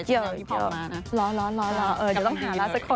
เยอะร้อนจะต้องหารักสักคน